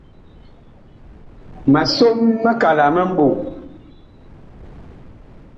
Ma som mikala mi mɓɔŋ.